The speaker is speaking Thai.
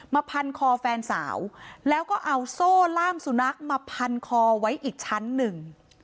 พันคอแฟนสาวแล้วก็เอาโซ่ล่ามสุนัขมาพันคอไว้อีกชั้นหนึ่ง